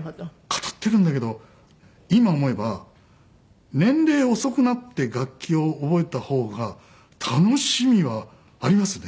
語ってるんだけど今思えば年齢遅くなって楽器を覚えた方が楽しみはありますね。